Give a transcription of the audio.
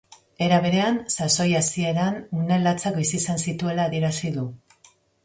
Era berean, sasoi hasieran une latzak bizi izan zituela adierazi du.